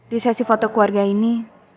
di sesi foto keluarga ini